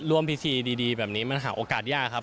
ร่วมพิธีดีแบบนี้มันหาโอกาสยากครับ